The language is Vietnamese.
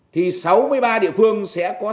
thì sáu mươi ba địa phương sẽ có sáu mươi ba người dân